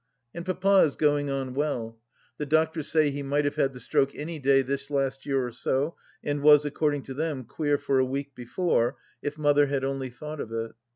And Papa is going on well. The doctors say he might have had the stroke any day this last year or so, and was, according to them, queer for a week before, if Mother had only thought of it.